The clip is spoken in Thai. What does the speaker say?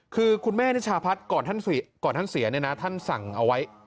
คือคุณแม่นิชาพัฒน์ก่อนท่านเสียเนี่ยนะท่านสั่งเอาไว้